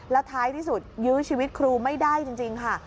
แล้วท้ายที่สุดยื้อชีวิตครูไม่ได้จริงค่ะ